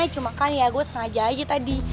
cuma kan ya gue sengaja aja tadi